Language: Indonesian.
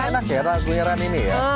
enak ya lagu nyaran ini ya